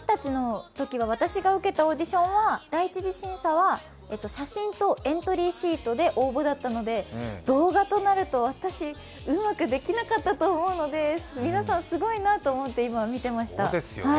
私が受けたオーディションは、第１次審査は、写真とエントリーシートで応募だったので、動画となると私、うまくできなかったと思うので皆さんすごいなと思って今見てました。